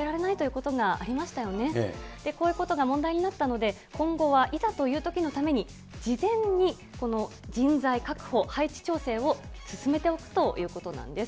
こういうことが問題になったので、今後はいざというときのために、事前にこの人材確保、配置調整を進めておくということなんです。